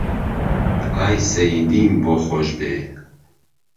ئای سهییدیم بۆ خۆش بێ